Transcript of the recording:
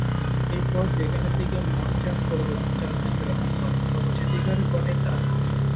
এরপর সেখান থেকে মঞ্চে ও পরবর্তীতে চলচ্চিত্র অঙ্গনে প্রবেশাধিকার ঘটে তার।